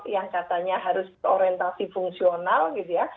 yang katanya harus berorientasi fungsional gitu ya